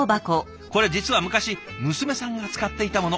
これ実は昔娘さんが使っていたもの。